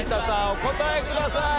お答えください。